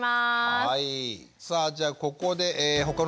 はい。